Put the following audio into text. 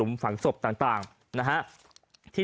สมหวังก็ไปตามกันบางคนได้โชคได้